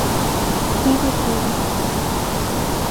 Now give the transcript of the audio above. Piripiri